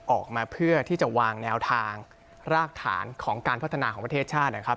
ออกมาเพื่อที่จะวางแนวทางรากฐานของการพัฒนาของประเทศชาตินะครับ